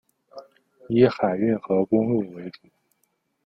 以海运和公路为主。